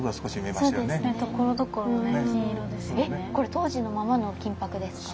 えっこれ当時のままの金箔ですか？